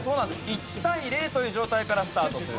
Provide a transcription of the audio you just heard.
１対０という状態からスタートする。